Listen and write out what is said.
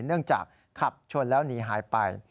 เนื่องจากขับชนแล้วหนีหายไป